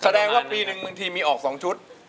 เฉรดายว่าปีหนึ่งเมื่อทีมีออกสองชุด